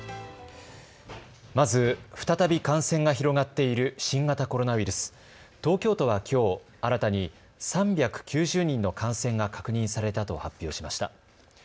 まず、再び感染が広がっている新型コロナウイルス、東京都はきょう、新たに３９０人の感染が確認されたと発表しました。